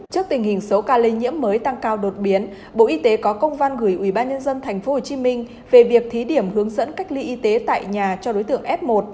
trước tình hình số ca lây nhiễm mới tăng cao đột biến bộ y tế có công văn gửi ubnd tp hcm về việc thí điểm hướng dẫn cách ly y tế tại nhà cho đối tượng f một